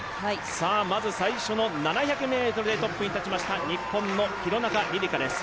まず最初の７００ｍでトップに立ちました日本の廣中璃梨佳です。